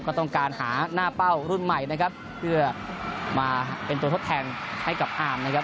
ก็ต้องการหาหน้าเป้ารุ่นใหม่นะครับเพื่อมาเป็นตัวทดแทนให้กับอาร์มนะครับ